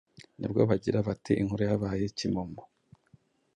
ni bwo bagira bati “Inkuru yabaye kimomo”.